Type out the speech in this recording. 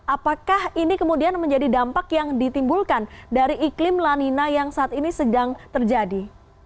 apakah ini kemudian menjadi dampak yang ditimbulkan dari iklim lanina yang saat ini sedang terjadi